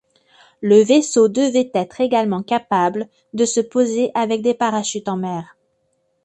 Le vaisseau devait être également capable de se poser avec des parachutes en mer.